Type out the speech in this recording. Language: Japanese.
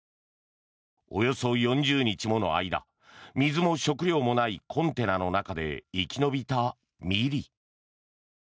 およそ４０日もの間水も食料もないコンテナの中で生き延びたミリ。